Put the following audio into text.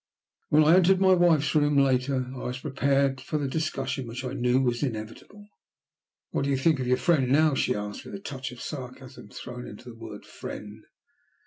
When I entered my wife's room later, I was prepared for the discussion which I knew was inevitable. "What do you think of your friend now?" she asked, with a touch of sarcasm thrown into the word "friend."